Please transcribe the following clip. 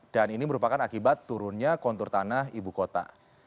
ini merupakan akibat turunnya kontur tanah ibu kota